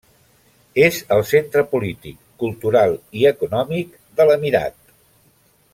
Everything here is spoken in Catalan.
És el centre polític, cultural i econòmic de l'emirat.